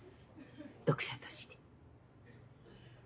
読者として。